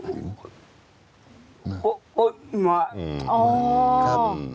ลุงเอี่ยมอยากให้อธิบดีช่วยอะไรไหม